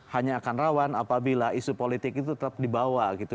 hanya akan rawan apabila isu politik itu tetap dibawa gitu